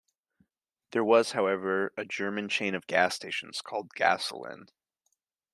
There was, however, a German chain of gas stations called Gasolin.